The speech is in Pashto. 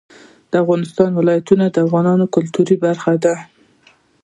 د افغانستان ولايتونه د افغانانو د ګټورتیا برخه ده.